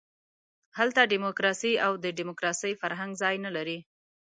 هلته ډیموکراسي او د ډیموکراسۍ فرهنګ ځای نه لري.